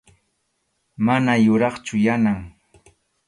Mana yuraqchu Yanam.